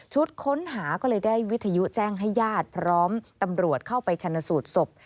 ค้นหาก็เลยได้วิทยุแจ้งให้ญาติพร้อมตำรวจเข้าไปชนสูตรศพ